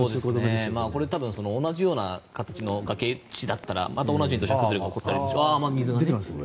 これ、多分同じような形の崖だったらまた同じように土砂崩れが起こったりしますよね。